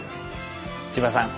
千葉さん